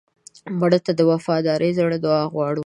مړه ته د وفادار زړه دعا غواړو